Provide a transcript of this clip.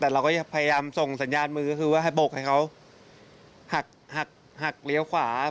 แต่เราก็พยายามส่งสัญญาณมือก็คือว่าให้โบกให้เขาหักหักเลี้ยวขวา